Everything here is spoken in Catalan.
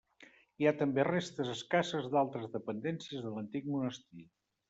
Hi ha també restes escasses d'altres dependències de l'antic monestir.